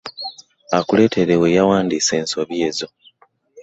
Akuleetere we yawandiika ensobi ezo.